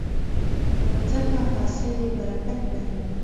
نو ځکه حاصل یې برکت لري.